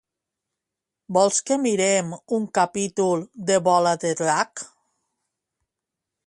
Vols que mirem un capítol de Bola de Drac?